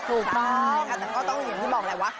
ถูกครับแต่ก็ต้องเห็นที่บอกอะไรวะ